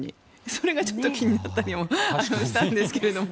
それがちょっと気になったりもしたんですが。